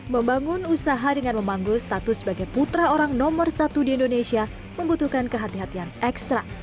membangun usaha dengan memanggul status sebagai putra orang nomor satu di indonesia membutuhkan kehatian ekstra